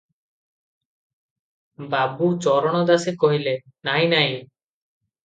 ବାବୁ ଚରଣ ଦାସେ କହିଲେ-ନାହିଁ, ନାହିଁ ।